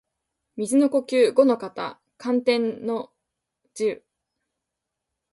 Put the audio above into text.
水の呼吸伍ノ型干天の慈雨（ごのかたかんてんのじう）